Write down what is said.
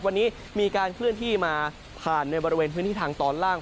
วันนี้มีการเคลื่อนที่มาผ่านในบริเวณพื้นที่ทางตอนล่าง